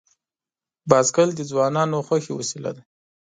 بایسکل د ځوانانو خوښي وسیله ده.